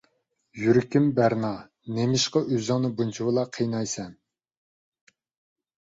يۈرىكىم بەرنا، نېمىشقا ئۆزۈڭنى بۇنچىۋالا قىينايسەن؟